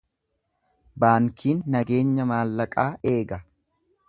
Baankiin nageenya maallaqaa eega.